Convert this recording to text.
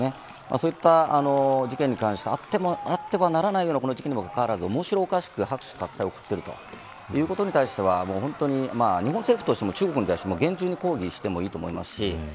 そういった事件に関してあってはならないような事件にもかかわらず面白おかしく拍手喝采を送っていることに対して日本政府としても中国に対して厳重に抗議をしてもいいと思います。